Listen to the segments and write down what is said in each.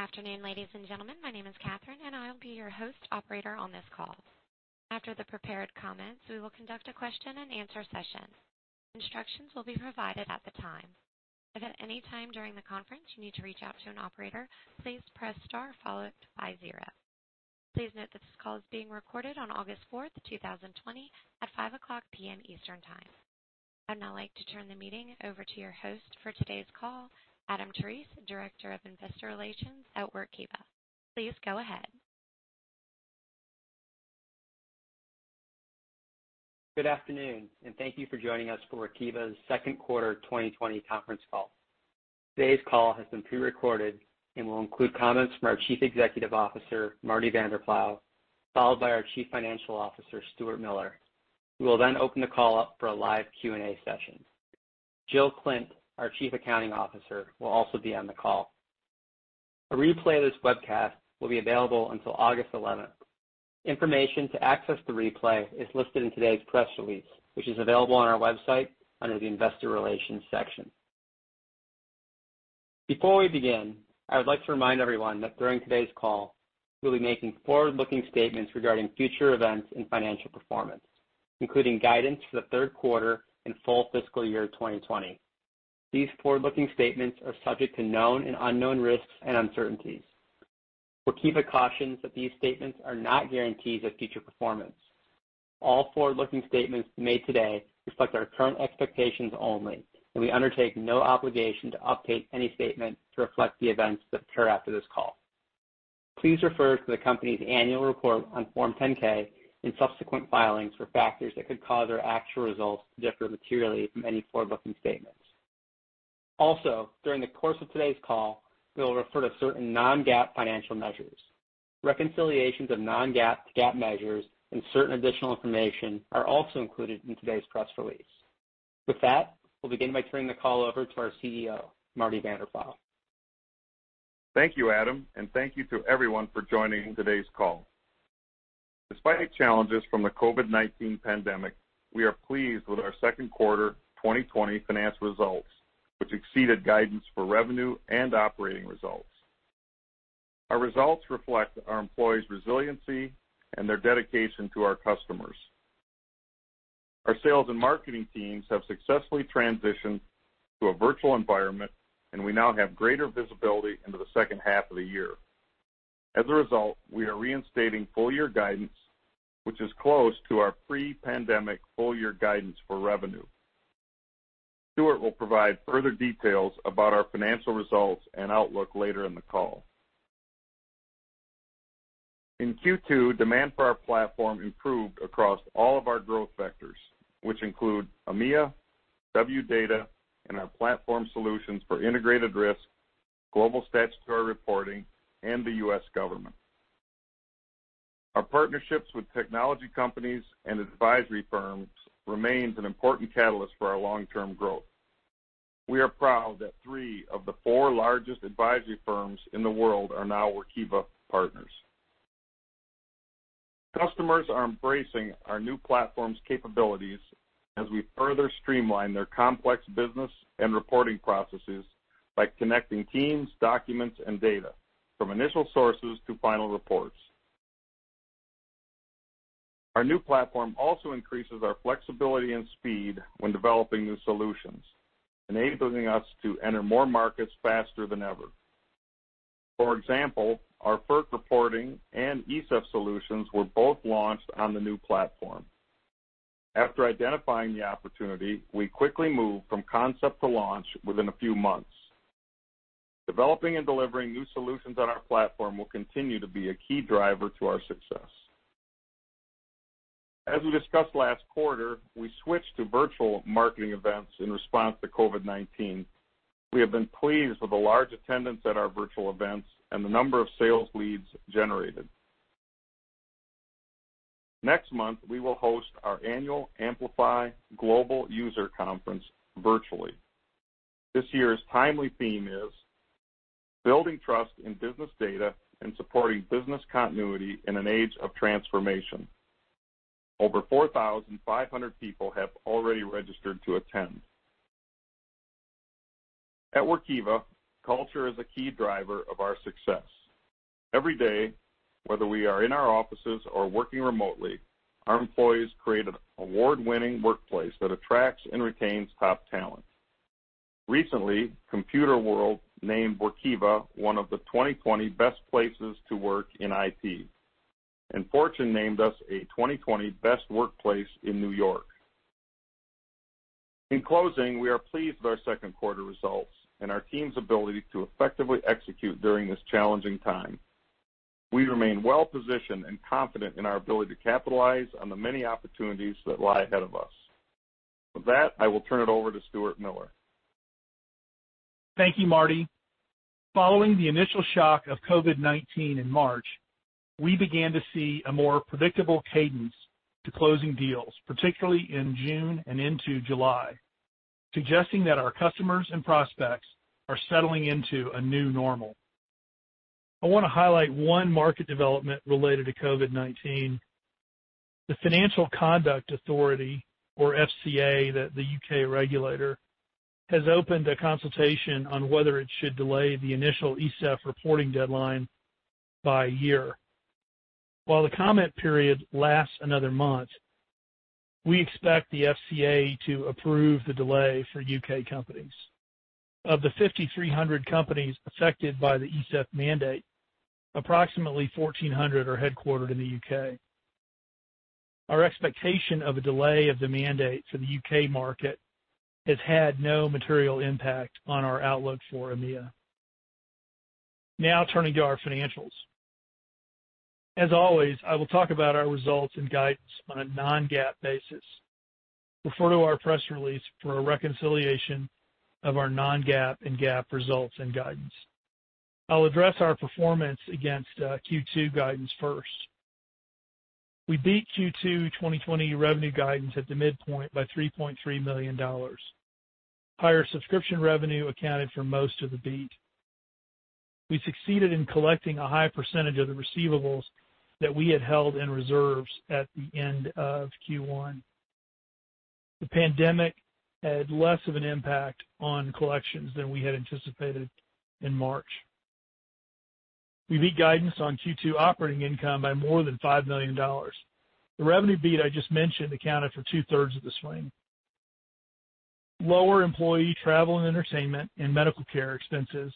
Good afternoon, ladies and gentlemen. My name is Catherine, and I'll be your host operator on this call. After the prepared comments, we will conduct a question and answer session. Instructions will be provided at the time. Please note this call is being recorded on August 4th, 2020, at 5:00 P.M. Eastern Time. I'd now like to turn the meeting over to your host for today's call, Adam Terese, Director of Investor Relations at Workiva. Please go ahead. Good afternoon, and thank you for joining us for Workiva's second quarter 2020 conference call. Today's call has been pre-recorded and will include comments from our Chief Executive Officer, Marty Vanderploeg, followed by our Chief Financial Officer, Stuart Miller, who will then open the call up for a live Q&A session. Jill Klindt, our Chief Accounting Officer, will also be on the call. A replay of this webcast will be available until August 11th. Information to access the replay is listed in today's press release, which is available on our website under the investor relations section. Before we begin, I would like to remind everyone that during today's call, we'll be making forward-looking statements regarding future events and financial performance, including guidance for the third quarter and full fiscal year 2020. Workiva cautions that these statements are not guarantees of future performance. All forward-looking statements made today reflect our current expectations only, and we undertake no obligation to update any statement to reflect the events that occur after this call. Please refer to the company's annual report on Form 10-K and subsequent filings for factors that could cause our actual results to differ materially from any forward-looking statements. Also, during the course of today's call, we will refer to certain non-GAAP financial measures. Reconciliations of non-GAAP to GAAP measures and certain additional information are also included in today's press release. With that, we'll begin by turning the call over to our CEO, Marty Vanderploeg. Thank you, Adam, and thank you to everyone for joining today's call. Despite challenges from the COVID-19 pandemic, we are pleased with our second quarter 2020 finance results, which exceeded guidance for revenue and operating results. Our results reflect our employees' resiliency and their dedication to our customers. Our sales and marketing teams have successfully transitioned to a virtual environment, and we now have greater visibility into the second half of the year. As a result, we are reinstating full-year guidance, which is close to our pre-pandemic full-year guidance for revenue. Stuart will provide further details about our financial results and outlook later in the call. In Q2, demand for our platform improved across all of our growth vectors, which include EMEA, Wdata, and our platform solutions for integrated risk, Global Statutory Reporting, and the U.S. government. Our partnerships with technology companies and advisory firms remains an important catalyst for our long-term growth. We are proud that three of the four largest advisory firms in the world are now Workiva partners. Customers are embracing our new platform's capabilities as we further streamline their complex business and reporting processes by connecting teams, documents, and data from initial sources to final reports. Our new platform also increases our flexibility and speed when developing new solutions, enabling us to enter more markets faster than ever. For example, our Federal Energy Regulatory Commission reporting and ESEF solutions were both launched on the new platform. After identifying the opportunity, we quickly moved from concept to launch within a few months. Developing and delivering new solutions on our platform will continue to be a key driver to our success. As we discussed last quarter, we switched to virtual marketing events in response to COVID-19. We have been pleased with the large attendance at our virtual events and the number of sales leads generated. Next month, we will host our annual Amplify global user conference virtually. This year's timely theme is building trust in business data and supporting business continuity in an age of transformation. Over 4,500 people have already registered to attend. At Workiva, culture is a key driver of our success. Every day, whether we are in our offices or working remotely, our employees create an award-winning workplace that attracts and retains top talent. Recently, Computerworld named Workiva one of the 2020 best places to work in IT. Fortune named us a 2020 best workplace in New York. In closing, we are pleased with our second quarter results and our team's ability to effectively execute during this challenging time. We remain well-positioned and confident in our ability to capitalize on the many opportunities that lie ahead of us. With that, I will turn it over to Stuart Miller. Thank you, Marty. Following the initial shock of COVID-19 in March, we began to see a more predictable cadence to closing deals, particularly in June and into July, suggesting that our customers and prospects are settling into a new normal. I want to highlight one market development related to COVID-19. The Financial Conduct Authority, or FCA, the U.K. regulator, has opened a consultation on whether it should delay the initial ESEF reporting deadline by a year. While the comment period lasts another month, we expect the FCA to approve the delay for U.K. companies. Of the 5,300 companies affected by the ESEF mandate, approximately 1,400 are headquartered in the U.K. Our expectation of a delay of the mandate for the U.K. market has had no material impact on our outlook for EMEA. Turning to our financials. As always, I will talk about our results and guidance on a non-GAAP basis. Refer to our press release for a reconciliation of our non-GAAP and GAAP results and guidance. I'll address our performance against Q2 guidance first. We beat Q2 2020 revenue guidance at the midpoint by $3.3 million. Higher subscription revenue accounted for most of the beat. We succeeded in collecting a high percentage of the receivables that we had held in reserves at the end of Q1. The pandemic had less of an impact on collections than we had anticipated in March. We beat guidance on Q2 operating income by more than $5 million. The revenue beat I just mentioned accounted for 2/3 of the swing. Lower employee travel and entertainment and medical care expenses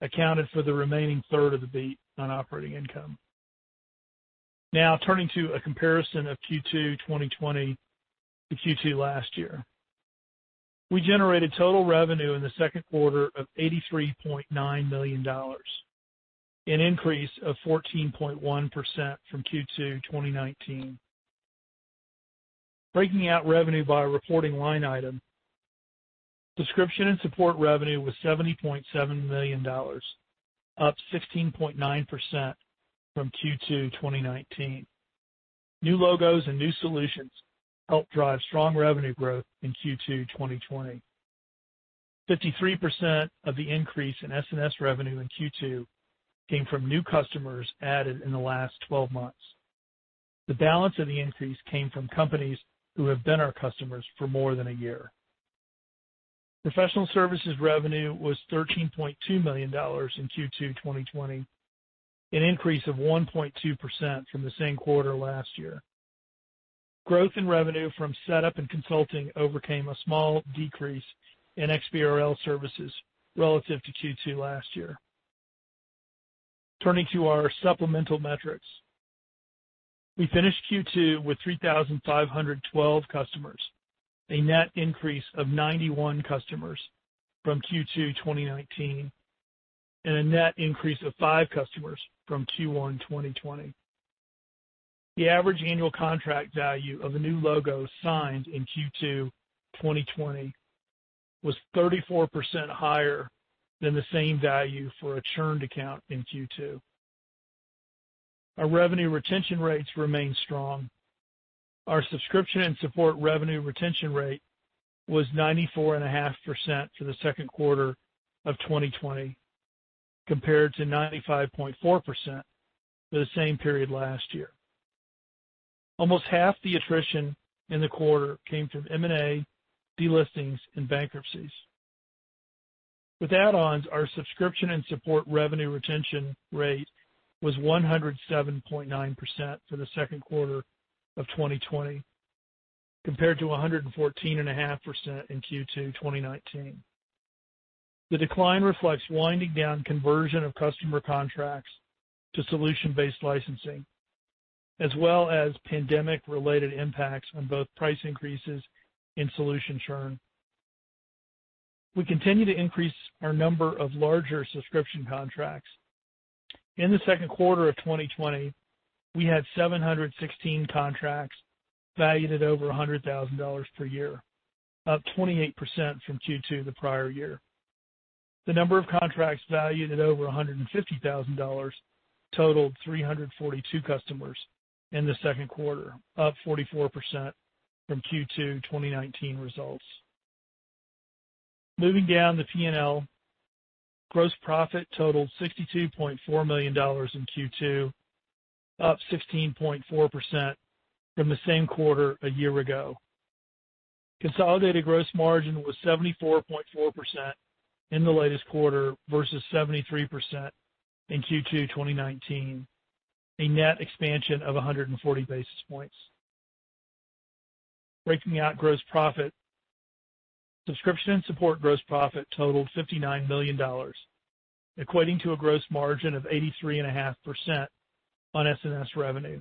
accounted for the remaining third of the beat on operating income. Now turning to a comparison of Q2 2020 to Q2 last year. We generated total revenue in the second quarter of $83.9 million, an increase of 14.1% from Q2 2019. Breaking out revenue by reporting line item, subscription and support revenue was $70.7 million, up 16.9% from Q2 2019. New logos and new solutions helped drive strong revenue growth in Q2 2020. 53% of the increase in subscription and support revenue in Q2 came from new customers added in the last 12 months. The balance of the increase came from companies who have been our customers for more than one year. Professional services revenue was $13.2 million in Q2 2020, an increase of 1.2% from the same quarter last year. Growth in revenue from setup and consulting overcame a small decrease in eXtensible Business Reporting Language services relative to Q2 last year. Turning to our supplemental metrics. We finished Q2 with 3,512 customers, a net increase of 91 customers from Q2 2019, and a net increase of five customers from Q1 2020. The average annual contract value of a new logo signed in Q2 2020 was 34% higher than the same value for a churned account in Q2. Our revenue retention rates remain strong. Our subscription and support revenue retention rate was 94.5% for the second quarter of 2020, compared to 95.4% for the same period last year. Almost half the attrition in the quarter came from M&A, delistings, and bankruptcies. With add-ons, our subscription and support revenue retention rate was 107.9% for the second quarter of 2020, compared to 114.5% in Q2 2019. The decline reflects winding down conversion of customer contracts to solution-based licensing, as well as pandemic-related impacts on both price increases and solution churn. We continue to increase our number of larger subscription contracts. In the second quarter of 2020, we had 716 contracts valued at over $100,000 per year, up 28% from Q2 the prior year. The number of contracts valued at over $150,000 totaled 342 customers in the second quarter, up 44% from Q2 2019 results. Moving down the P&L, gross profit totaled $62.4 million in Q2, up 16.4% from the same quarter a year ago. Consolidated gross margin was 74.4% in the latest quarter versus 73% in Q2 2019, a net expansion of 140 basis points. Breaking out gross profit, subscription and support gross profit totaled $59 million, equating to a gross margin of 83.5% on S&S revenue,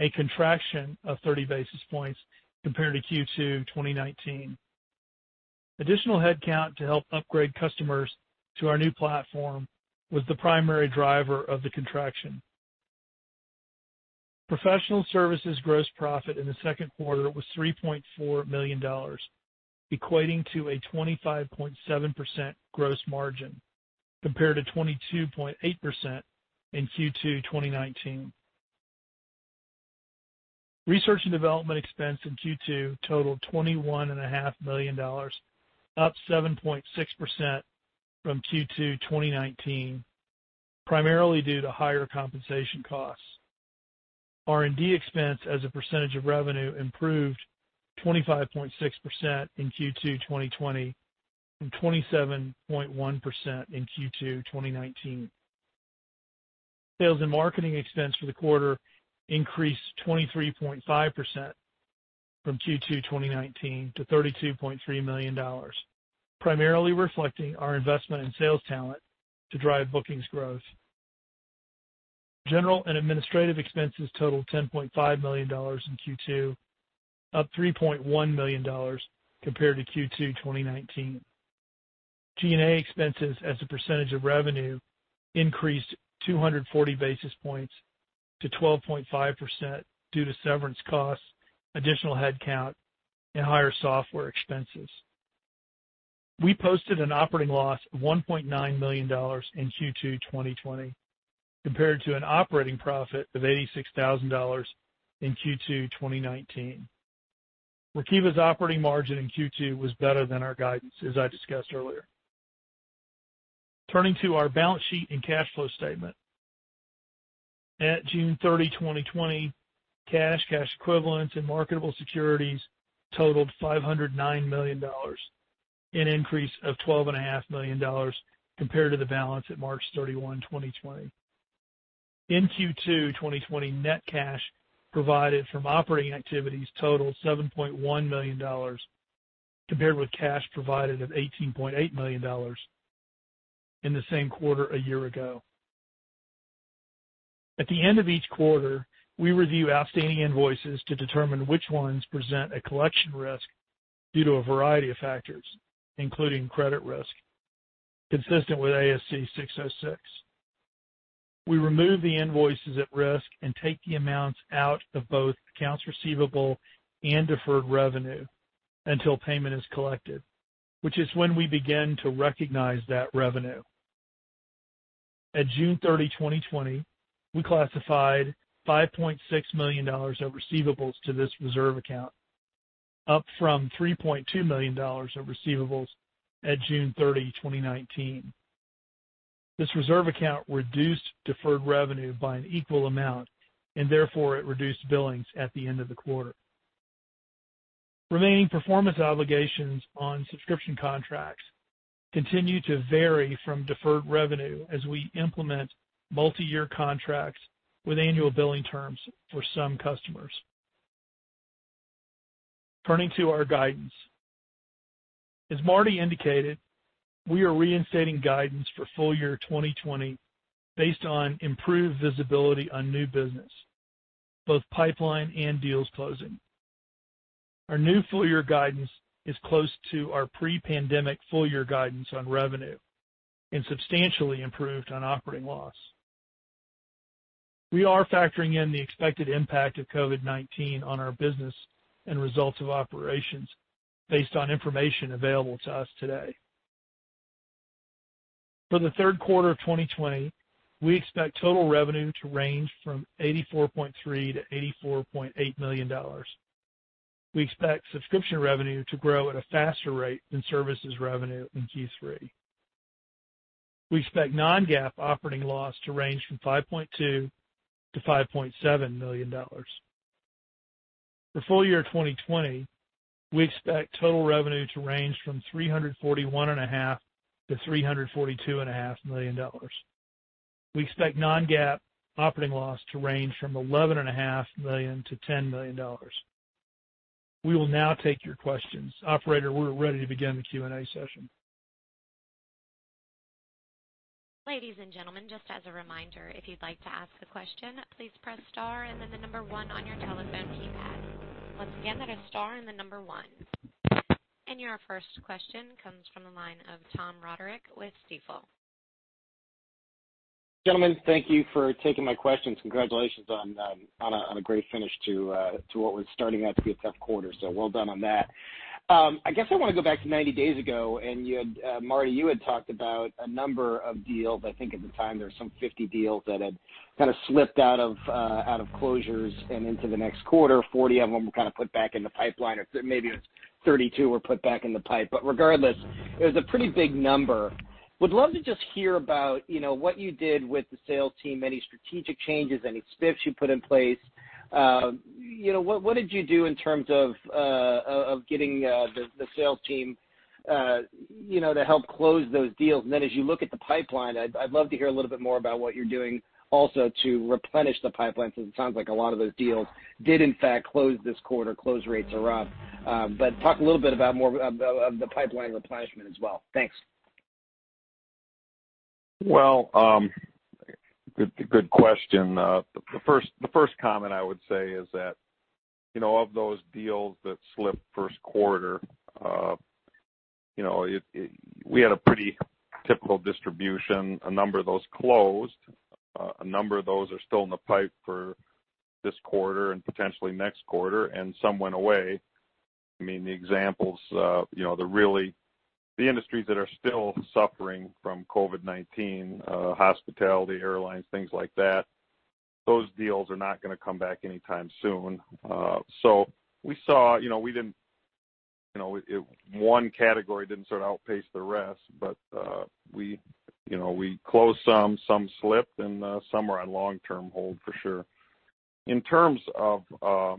a contraction of 30 basis points compared to Q2 2019. Additional headcount to help upgrade customers to our new platform was the primary driver of the contraction. Professional services gross profit in the second quarter was $3.4 million, equating to a 25.7% gross margin, compared to 22.8% in Q2 2019. Research and development expense in Q2 totaled $21.5 million, up 7.6% from Q2 2019. Primarily due to higher compensation costs. R&D expense as a percentage of revenue improved 25.6% in Q2 2020, from 27.1% in Q2 2019. Sales and marketing expense for the quarter increased 23.5% from Q2 2019 to $32.3 million, primarily reflecting our investment in sales talent to drive bookings growth. General and administrative expenses totaled $10.5 million in Q2, up $3.1 million compared to Q2 2019. G&A expenses as a percentage of revenue increased 240 basis points to 12.5% due to severance costs, additional headcount, and higher software expenses. We posted an operating loss of $1.9 million in Q2 2020 compared to an operating profit of $86,000 in Q2 2019. Workiva's operating margin in Q2 was better than our guidance, as I discussed earlier. Turning to our balance sheet and cash flow statement. At June 30, 2020, cash equivalents, and marketable securities totaled $509 million, an increase of $12.5 million compared to the balance at March 31, 2020. In Q2 2020, net cash provided from operating activities totaled $7.1 million, compared with cash provided of $18.8 million in the same quarter a year ago. At the end of each quarter, we review outstanding invoices to determine which ones present a collection risk due to a variety of factors, including credit risk, consistent with ASC 606. We remove the invoices at risk and take the amounts out of both accounts receivable and deferred revenue until payment is collected, which is when we begin to recognize that revenue. At June 30, 2020, we classified $5.6 million of receivables to this reserve account, up from $3.2 million of receivables at June 30, 2019. This reserve account reduced deferred revenue by an equal amount, and therefore it reduced billings at the end of the quarter. Remaining performance obligations on subscription contracts continue to vary from deferred revenue as we implement multi-year contracts with annual billing terms for some customers. Turning to our guidance. As Marty indicated, we are reinstating guidance for full year 2020 based on improved visibility on new business, both pipeline and deals closing. Our new full-year guidance is close to our pre-pandemic full-year guidance on revenue and substantially improved on operating loss. We are factoring in the expected impact of COVID-19 on our business and results of operations based on information available to us today. For the third quarter of 2020, we expect total revenue to range from $84.3 million-$84.8 million. We expect subscription revenue to grow at a faster rate than services revenue in Q3. We expect non-GAAP operating loss to range from $5.2 million-$5.7 million. For full year 2020, we expect total revenue to range from $341.5 million-$342.5 million. We expect non-GAAP operating loss to range from $11.5 million-$10 million. We will now take your questions. Operator, we're ready to begin the Q&A session. Ladies and gentlemen, just as a reminder, if you'd like to ask a question, please press star and then the number one on your telephone keypad. Once again, that is star and the number one. Your first question comes from the line of Tom Roderick with Stifel. Gentlemen, thank you for taking my questions. Congratulations on a great finish to what was starting out to be a tough quarter. Well done on that. I guess I want to go back to 90 days ago, and Marty, you had talked about a number of deals. I think at the time there were some 50 deals that had kind of slipped out of closures and into the next quarter. 40 of them were kind of put back in the pipeline, maybe it's 32 were put back in the pipe, but regardless, it was a pretty big number. Would love to just hear about what you did with the sales team, any strategic changes, any spiffs you put in place. What did you do in terms of getting the sales team to help close those deals? As you look at the pipeline, I'd love to hear a little bit more about what you're doing also to replenish the pipeline, because it sounds like a lot of those deals did in fact close this quarter, close rates are up. Talk a little bit about more of the pipeline replenishment as well. Thanks. Well, good question. The first comment I would say is that, of those deals that slipped first quarter, we had a pretty typical distribution. A number of those closed, a number of those are still in the pipe for this quarter and potentially next quarter, and some went away. I mean, the examples the industries that are still suffering from COVID-19, hospitality, airlines, things like that, those deals are not going to come back anytime soon. One category didn't sort of outpace the rest, but we closed some slipped, and some are on long-term hold for sure. In terms of our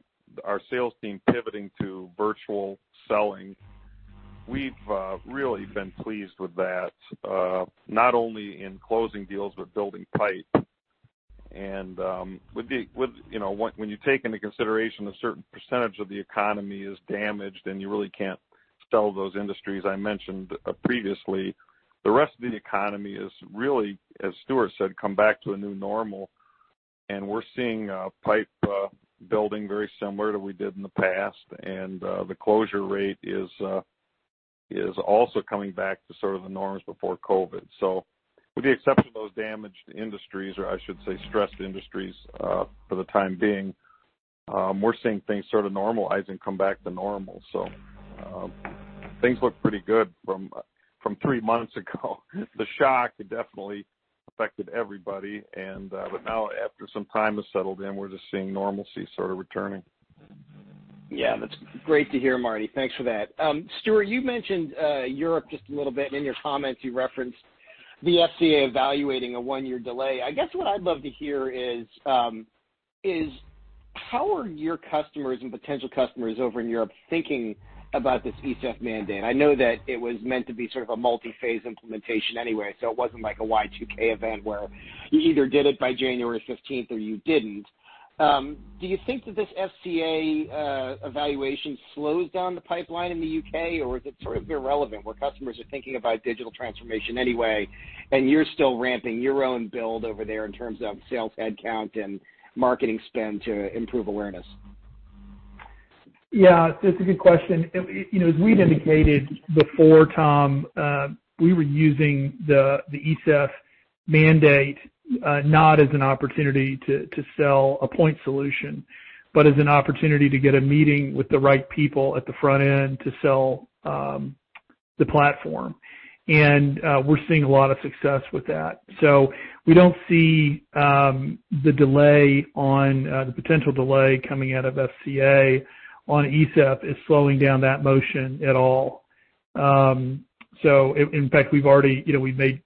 sales team pivoting to virtual selling, we've really been pleased with that, not only in closing deals but building pipe. When you take into consideration a certain percentage of the economy is damaged, and you really can't sell to those industries I mentioned previously, the rest of the economy is really, as Stuart said, come back to a new normal, and we're seeing pipe building very similar to what we did in the past. The closure rate is also coming back to sort of the norms before COVID. With the exception of those damaged industries, or I should say stressed industries, for the time being, we're seeing things sort of normalize and come back to normal. Things look pretty good from three months ago. The shock definitely affected everybody, but now after some time has settled in, we're just seeing normalcy sort of returning. That's great to hear, Marty. Thanks for that. Stuart, you mentioned Europe just a little bit in your comments. You referenced the FCA evaluating a one-year delay. I guess what I'd love to hear is, how are your customers and potential customers over in Europe thinking about this ESEF mandate? I know that it was meant to be sort of a multi-phase implementation anyway, so it wasn't like a Y2K event where you either did it by January 15th or you didn't. Do you think that this FCA evaluation slows down the pipeline in the U.K., or is it sort of irrelevant where customers are thinking about digital transformation anyway, and you're still ramping your own build over there in terms of sales headcount and marketing spend to improve awareness? Yeah, it's a good question. As we'd indicated before, Tom, we were using the ESEF mandate not as an opportunity to sell a point solution, but as an opportunity to get a meeting with the right people at the front end to sell the platform. We're seeing a lot of success with that. We don't see the potential delay coming out of FCA on ESEF is slowing down that motion at all. In fact, we've made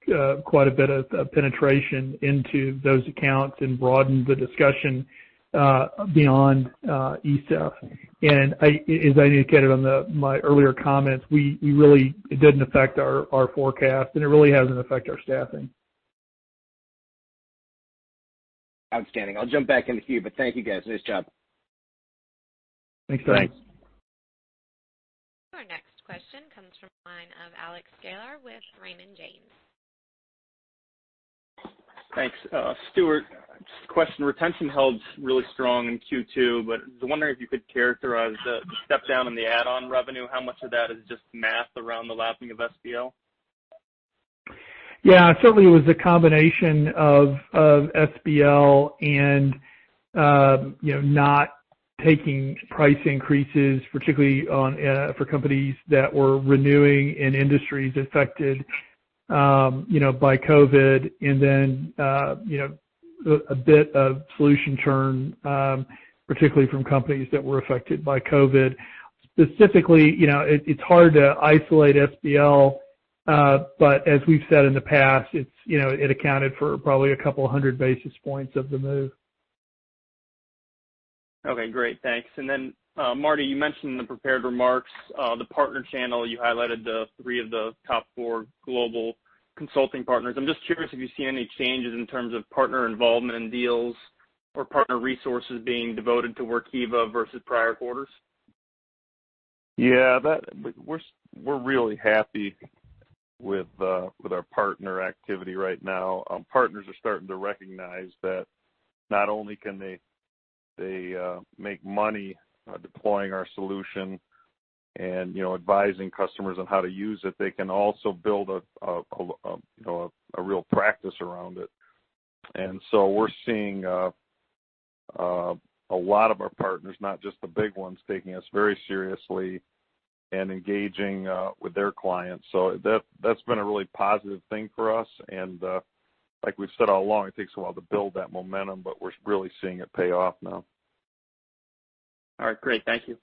quite a bit of penetration into those accounts and broadened the discussion beyond ESEF. As I indicated on my earlier comments, it didn't affect our forecast, and it really hasn't affected our staffing. Outstanding. I'll jump back in the queue. Thank you, guys. Nice job. Thanks. Thanks. Our next question comes from the line of Alex Sklar with Raymond James. Thanks. Stuart, just a question. Retention held really strong in Q2. I was wondering if you could characterize the step down in the add-on revenue. How much of that is just math around the lapping of SBL? Yeah. Certainly, it was a combination of SBL and not taking price increases, particularly for companies that were renewing in industries affected by COVID, and then a bit of solution churn, particularly from companies that were affected by COVID. Specifically, it is hard to isolate SBL, but as we have said in the past, it accounted for probably a couple of hundred basis points of the move. Okay, great. Thanks. Marty, you mentioned in the prepared remarks, the partner channel, you highlighted three of the top four global consulting partners. I'm just curious if you've seen any changes in terms of partner involvement in deals or partner resources being devoted to Workiva versus prior quarters? Yeah. We're really happy with our partner activity right now. Partners are starting to recognize that not only can they make money deploying our solution and advising customers on how to use it, they can also build a real practice around it. We're seeing a lot of our partners, not just the big ones, taking us very seriously and engaging with their clients. That's been a really positive thing for us. Like we've said all along, it takes a while to build that momentum, but we're really seeing it pay off now. All right, great. Thank you.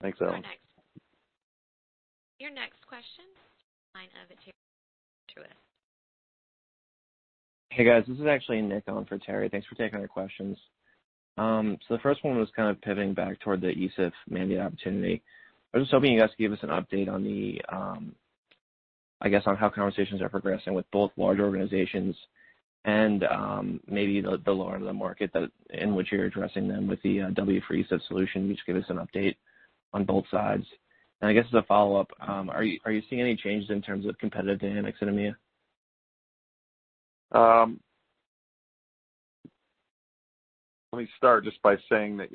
Thanks, Alex. Your next question, line of Terry Tillman with Truist Securities. Hey, guys. This is actually Nick Ivan Negulic on for Terry. Thanks for taking our questions. The first one was kind of pivoting back toward the ESEF mandate opportunity. I was hoping you guys could give us an update on how conversations are progressing with both large organizations and maybe the lower end of the market, in which you're addressing them with the W for ESEF solution. Could you just give us an update on both sides? I guess as a follow-up, are you seeing any changes in terms of competitive dynamics in EMEA? Let me start just by saying that,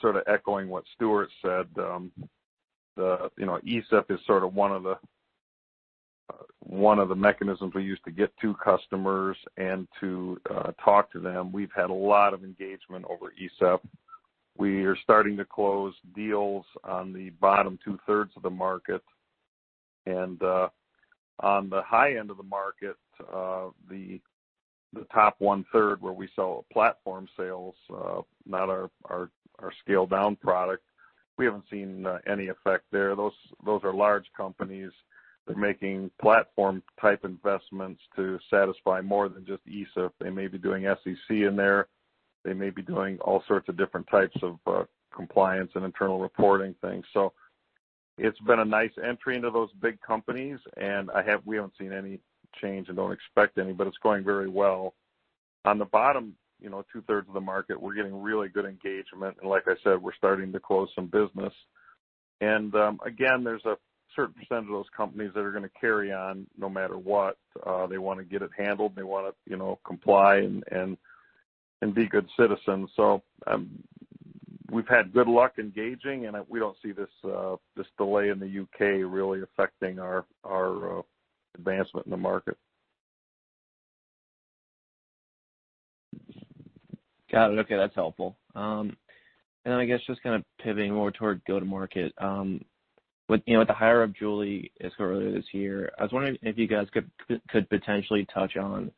sort of echoing what Stuart said, ESEF is sort of one of the mechanisms we use to get to customers and to talk to them. We've had a lot of engagement over ESEF. We are starting to close deals on the bottom two-thirds of the market. On the high end of the market, the top one-third where we sell platform sales, not our scaled-down product, we haven't seen any effect there. Those are large companies. They're making platform-type investments to satisfy more than just ESEF. They may be doing SEC in there. They may be doing all sorts of different types of compliance and internal reporting things. It's been a nice entry into those big companies, and we haven't seen any change and don't expect any, but it's going very well. On the bottom two-thirds of the market, we're getting really good engagement. Like I said, we're starting to close some business. Again, there's a certain percent of those companies that are going to carry on no matter what. They want to get it handled, and they want to comply and be good citizens. We've had good luck engaging, and we don't see this delay in the U.K. really affecting our advancement in the market. Got it. Okay, that's helpful. Then I guess just kind of pivoting more toward go-to-market. With the hire of Julie earlier this year, I was wondering if you guys could potentially touch on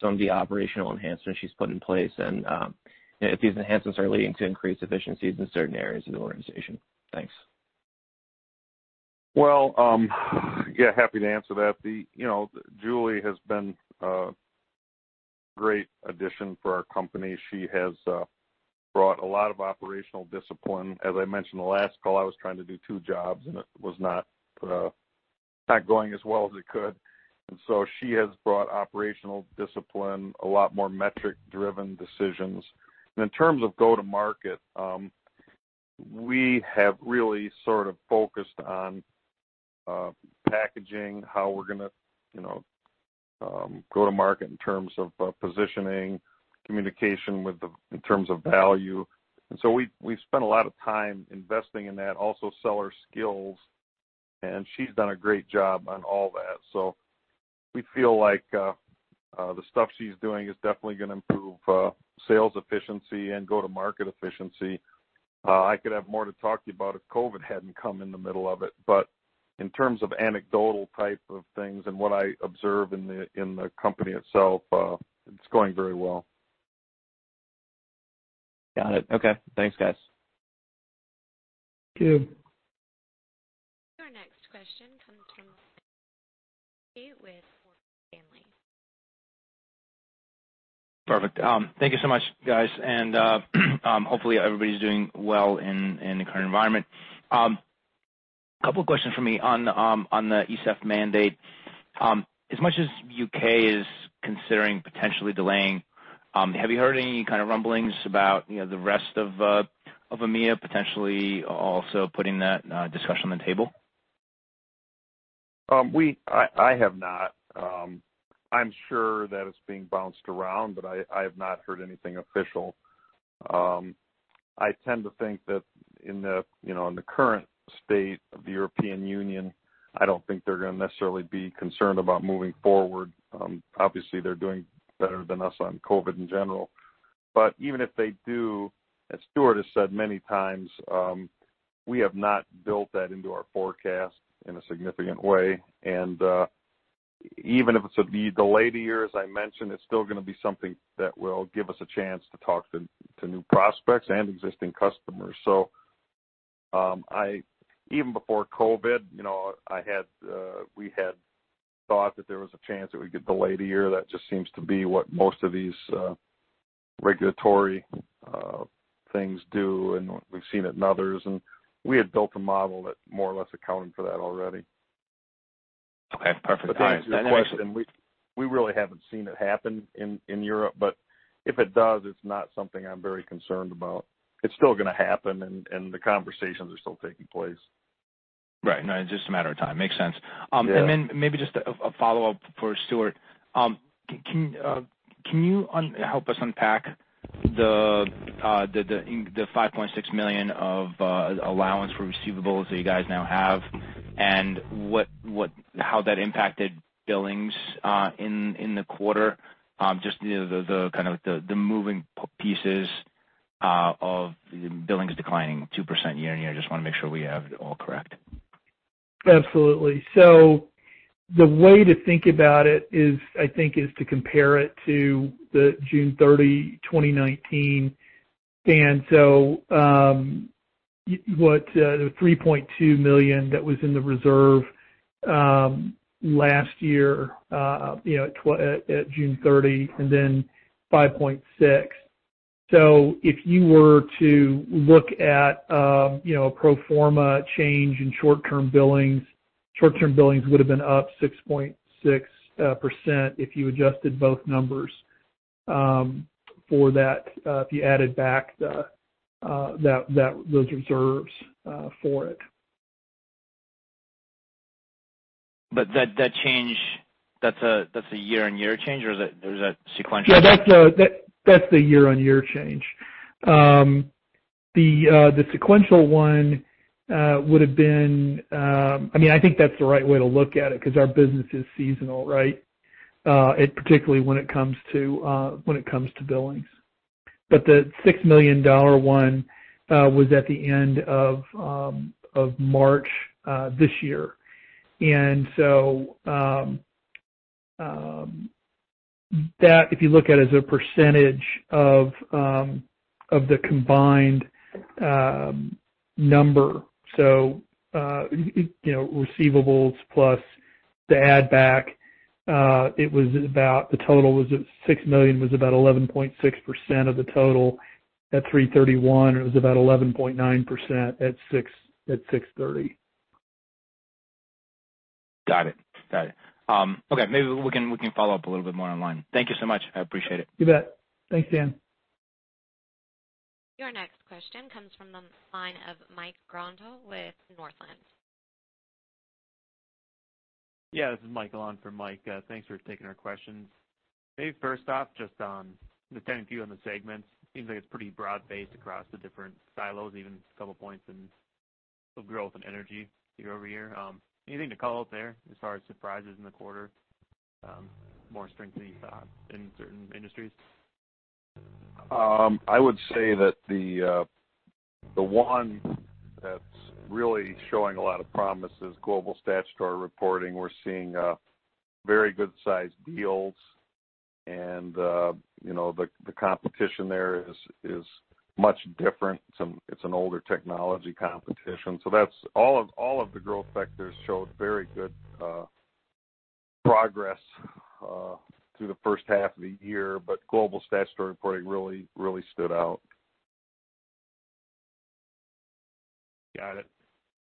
some of the operational enhancements she's put in place and if these enhancements are leading to increased efficiencies in certain areas of the organization. Thanks. Well, yeah, happy to answer that. Julie has been a great addition for our company. She has brought a lot of operational discipline. As I mentioned the last call, I was trying to do two jobs, and it was not going as well as it could. She has brought operational discipline, a lot more metric-driven decisions. In terms of go-to-market, we have really sort of focused on packaging how we're going to go to market in terms of positioning, communication in terms of value. We've spent a lot of time investing in that, also seller skills, and she's done a great job on all that. We feel like the stuff she's doing is definitely going to improve sales efficiency and go-to-market efficiency. I could have more to talk to you about if COVID hadn't come in the middle of it. In terms of anecdotal type of things and what I observe in the company itself, it's going very well. Got it. Okay. Thanks, guys. Thank you. Our next question comes from with. Perfect. Thank you so much, guys. Hopefully everybody's doing well in the current environment. Couple questions from me on the ESEF mandate. As much as U.K. is considering potentially delaying, have you heard any kind of rumblings about the rest of EMEA potentially also putting that discussion on the table? I have not. I'm sure that it's being bounced around, but I have not heard anything official. I tend to think that in the current state of the European Union, I don't think they're going to necessarily be concerned about moving forward. Obviously, they're doing better than us on COVID in general. Even if they do, as Stuart has said many times, we have not built that into our forecast in a significant way. Even if it's a delayed a year, as I mentioned, it's still going to be something that will give us a chance to talk to new prospects and existing customers. Even before COVID, we had thought that there was a chance that we'd get delayed a year. That just seems to be what most of these regulatory things do, and we've seen it in others, and we had built a model that more or less accounted for that already. Okay. Perfect. Thanks. We really haven't seen it happen in Europe, but if it does, it's not something I'm very concerned about. It's still going to happen, and the conversations are still taking place. Right. No, it's just a matter of time. Makes sense. Yeah. Maybe just a follow-up for Stuart. Can you help us unpack the $5.6 million of allowance for receivables that you guys now have and how that impacted billings in the quarter? Just the kind of the moving pieces of billings declining 2% year-on-year. I just want to make sure we have it all correct. The way to think about it is to compare it to June 30, 2019. The $3.2 million that was in the reserve last year at June 30, and then $5.6 million. If you were to look at a pro forma change in short-term billings, short-term billings would have been up 6.6% if you adjusted both numbers for that, if you added back those reserves for it. That change, that's a year-on-year change, or is that sequential? Yeah, that's the year-on-year change. The sequential one, I think that's the right way to look at it because our business is seasonal, right? Particularly when it comes to billings. The $6 million one was at the end of March this year. That, if you look at it as a percentage of the combined number, so receivables plus the add back, the total was at $6 million, was about 11.6% of the total. At 3/31, it was about 11.9% at 6/30. Got it. Okay. Maybe we can follow up a little bit more online. Thank you so much. I appreciate it. You bet. Thanks, Dan. Your next question comes from the line of Mike Grondahl with Northland. This is Mike, line for Mike. Thanks for taking our questions. Maybe first off, just on the 10-Q on the segments, seems like it's pretty broad-based across the different silos, even a couple points of growth in energy year-over-year. Anything to call out there as far as surprises in the quarter? More strength in certain industries? I would say that the one that's really showing a lot of promise is Global Statutory Reporting. We're seeing very good sized deals and the competition there is much different. It's an older technology competition. All of the growth vectors showed very good progress through the first half of the year. Global Statutory Reporting really stood out. Got it.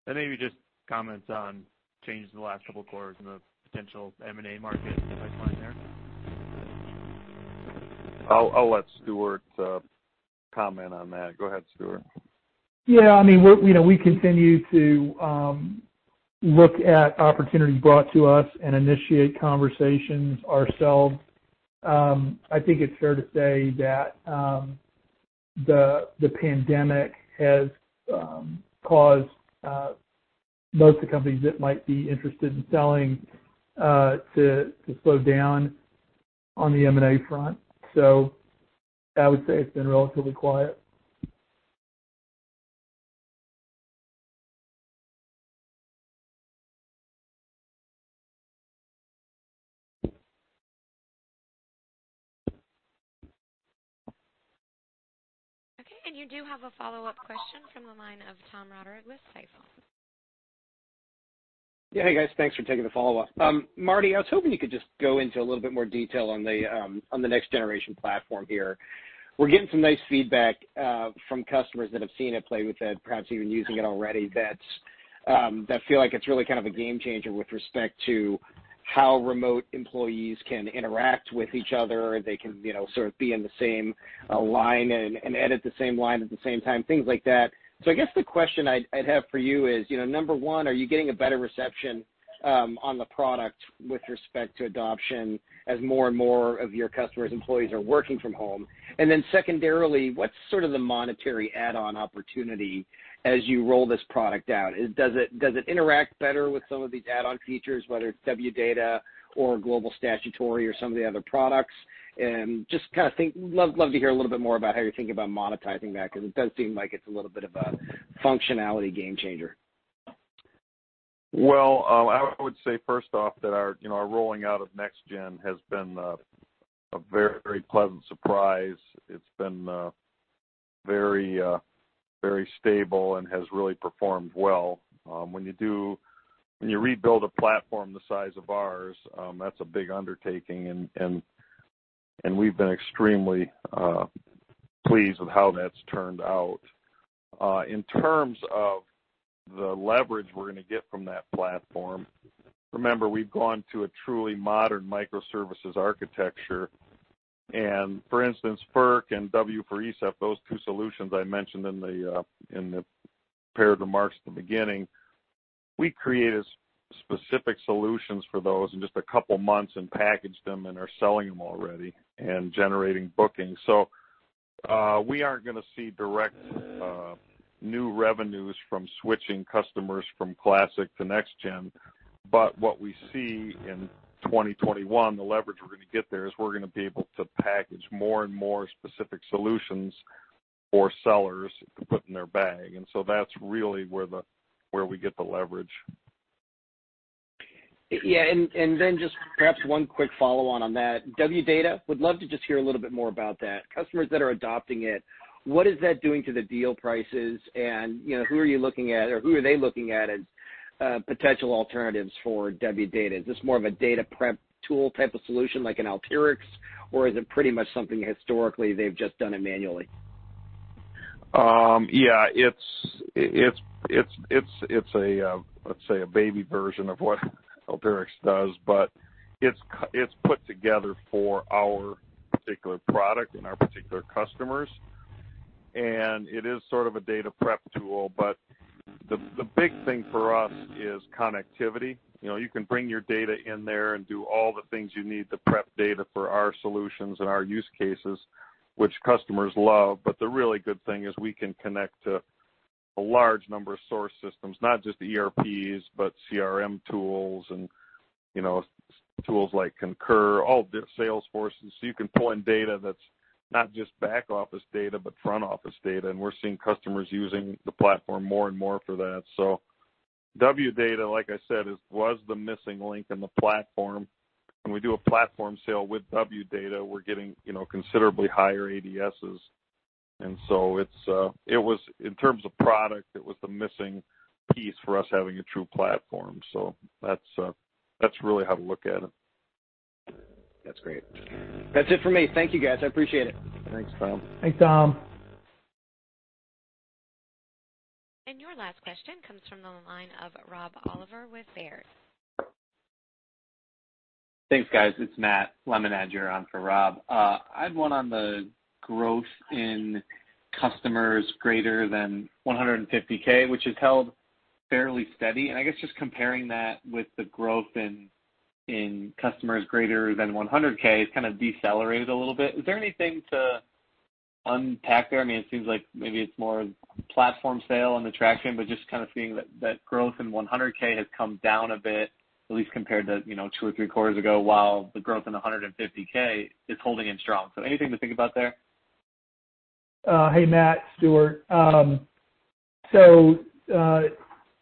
Maybe just comment on changes in the last couple of quarters in the potential M&A market pipeline there? I'll let Stuart comment on that. Go ahead, Stuart. Yeah, we continue to look at opportunities brought to us and initiate conversations ourselves. I think it's fair to say that the pandemic has caused most of the companies that might be interested in selling to slow down on the M&A front. I would say it's been relatively quiet. Okay, you do have a follow-up question from the line of Tom Roderick with Stifel. Hey, guys. Thanks for taking the follow-up. Marty, I was hoping you could just go into a little bit more detail on the Next Generation Cloud Platform here. We're getting some nice feedback from customers that have seen it, played with it, perhaps even using it already, that feel like it's really kind of a game changer with respect to how remote employees can interact with each other. They can sort of be in the same line and edit the same line at the same time, things like that. I guess the question I'd have for you is, number one, are you getting a better reception on the product with respect to adoption as more and more of your customers' employees are working from home? Secondarily, what's sort of the monetary add-on opportunity as you roll this product out? Does it interact better with some of these add-on features, whether it's Wdata or Global Statutory or some of the other products? Just love to hear a little bit more about how you're thinking about monetizing that, because it does seem like it's a little bit of a functionality game changer. Well, I would say first off that our rolling out of NextGen has been a very pleasant surprise. It's been very stable and has really performed well. When you rebuild a platform the size of ours, that's a big undertaking, and we've been extremely pleased with how that's turned out. In terms of the leverage we're going to get from that platform, remember, we've gone to a truly modern microservices architecture. For instance, FERC and W for ESEF, those two solutions I mentioned in the prepared remarks at the beginning, we created specific solutions for those in just a couple of months and packaged them and are selling them already and generating bookings. We aren't going to see direct new revenues from switching customers from classic to NextGen. What we see in 2021, the leverage we're going to get there is we're going to be able to package more and more specific solutions for sellers to put in their bag. That's really where we get the leverage. Yeah. Then just perhaps one quick follow-on on that. Wdata, would love to just hear a little bit more about that. Customers that are adopting it, what is that doing to the deal prices, and who are you looking at or who are they looking at as potential alternatives for Wdata? Is this more of a data prep tool type of solution like an Alteryx, or is it pretty much something historically they've just done it manually? It's a, let's say, a baby version of what Alteryx does, but it's put together for our particular product and our particular customers. It is sort of a data prep tool, but the big thing for us is connectivity. You can bring your data in there and do all the things you need to prep data for our solutions and our use cases, which customers love. The really good thing is we can connect to a large number of source systems, not just ERPs, but CRM tools and tools like Concur, all the Salesforces. You can pull in data that's not just back-office data, but front-office data, and we're seeing customers using the platform more and more for that. Wdata, like I said, was the missing link in the platform. When we do a platform sale with Wdata, we're getting considerably higher annual contract values. In terms of product, it was the missing piece for us having a true platform. That's really how to look at it. That's great. That's it for me. Thank you, guys. I appreciate it. Thanks, Tom. Thanks, Tom. Your last question comes from the line of Rob Oliver with Baird. Thanks, guys. It's Matt Lemenager on for Rob. I had one on the growth in customers greater than 150,000, which has held fairly steady, and I guess just comparing that with the growth in customers greater than 100,000 has kind of decelerated a little bit. Is there anything to unpack there? It seems like maybe it's more platform sale on the traction, but just kind of seeing that growth in 100,000 has come down a bit, at least compared to two or three quarters ago, while the growth in 150,000 is holding in strong. Anything to think about there? Hey, Matt, Stuart.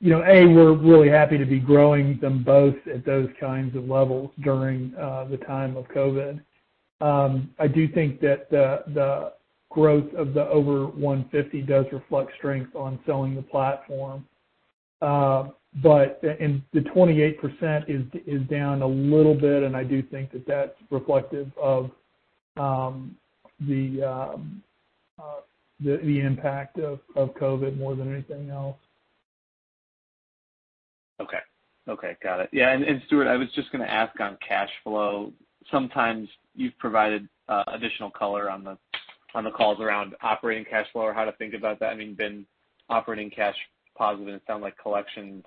A, we're really happy to be growing them both at those kinds of levels during the time of COVID. I do think that the growth of the over 150,000 does reflect strength on selling the platform. The 28% is down a little bit, and I do think that that's reflective of the impact of COVID more than anything else. Okay. Got it. Yeah, Stuart, I was just going to ask on cash flow, sometimes you've provided additional color on the calls around operating cash flow or how to think about that. You've been operating cash positive, and it sounds like collections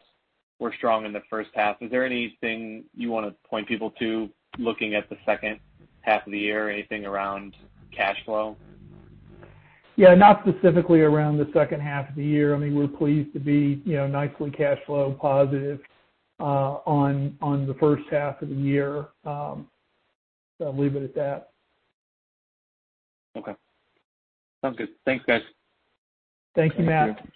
were strong in the first half. Is there anything you want to point people to looking at the second half of the year, anything around cash flow? Yeah. Not specifically around the second half of the year. We're pleased to be nicely cash flow positive on the first half of the year. I'll leave it at that. Okay. Sounds good. Thanks, guys. Thank you, Matt. Thank you.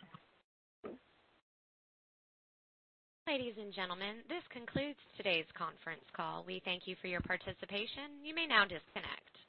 Ladies and gentlemen, this concludes today's conference call. We thank you for your participation. You may now disconnect.